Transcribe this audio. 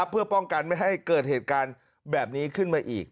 เพื่อป้องกันไม่ให้เกิดเหตุการณ์แบบนี้ขึ้นมาอีก